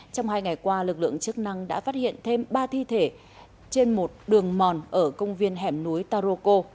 trong hai ngày qua lực lượng chức năng đã phát hiện thêm ba thi thể trên một đường mòn ở công viên hẻm núi taroko